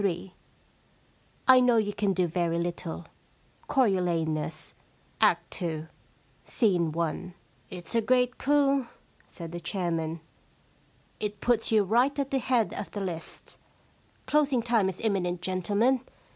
* I know you can do very little/ Coriolanus^ Act 2, Scene i. * It*s a great coupy said the chairman. * It puts you right at the head of the list. Closing time is imminent, gentlemen.